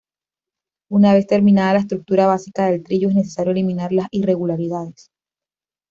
Una vez terminada la estructura básica del trillo, es necesario eliminar las irregularidades.